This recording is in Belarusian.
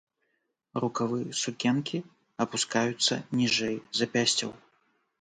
Рукавы сукенкі апускаюцца ніжэй запясцяў.